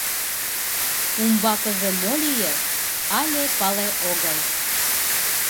Умбакыже мо лиеш — але пале огыл.